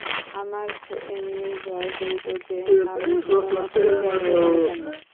আমার এমনি ভয় করিত যে, আমি কোনোমতেই যাইতে পারিতাম না।